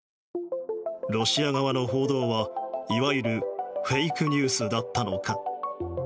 ロシア側の報道は、いわゆるフェイクニュースだったのか。